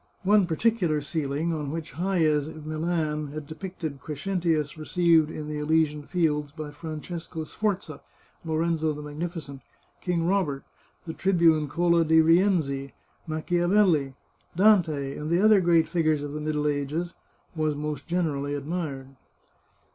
One particular ceiling — on which Hayez, of Milan, had depicted Crescentius received in the Elysian Fields by Francesco Sforza, Lorenzo the Mag nificent, King Robert, the Tribune Cola di Rienzi, Macchia velli, Dante, and the other great figures of the Middle Ages — was most generally admired.